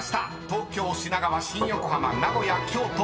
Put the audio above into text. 東京「品川」「新横浜」「名古屋」「京都」